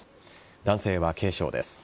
男性は軽傷です。